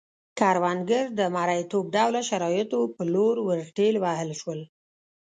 کروندګر د مریتوب ډوله شرایطو په لور ورټېل وهل شول